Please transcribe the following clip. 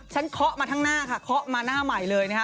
เคาะมาทั้งหน้าค่ะเคาะมาหน้าใหม่เลยนะคะ